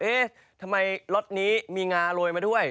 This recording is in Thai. เอ๊ะทำไมล็อตนี้มีงาโรยมาด้วย